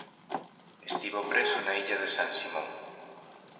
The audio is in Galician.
Estivo preso na Illa de san Simón.